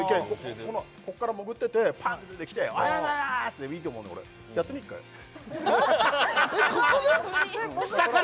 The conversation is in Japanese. ここから潜っててパンって出てきて「おはようございます！」でいいと思うの俺やってみ１回何すか？